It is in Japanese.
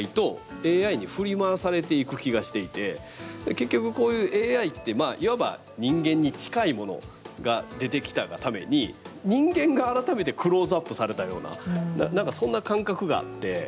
結局、こういうＡＩっていわば人間に近いものが出てきたがために人間が、改めてクローズアップされたようななんかそんな感覚があって。